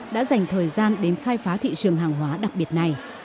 đã dành thời gian đến khai phá thị trường hàng hóa đặc biệt này